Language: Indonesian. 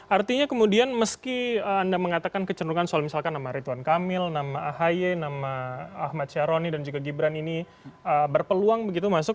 artinya kemudian meski anda mengatakan kecenderungan soal misalkan nama rituan kamil nama ahi nama ahmad syaroni dan juga gibran ini berpeluang begitu masuk